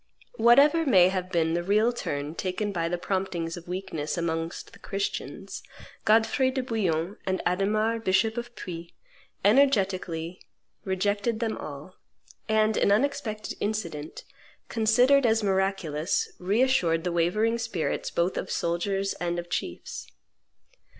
Whatever may have been the real turn taken by the promptings of weakness amongst the Christians, Godfrey de Bouillon and Adhemar, bishop of Puy, energetically rejected them all; and an unexpected incident, considered as miraculous, reassured the wavering spirits both of soldiers and of chiefs.